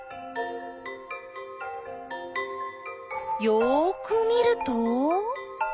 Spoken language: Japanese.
よく見ると？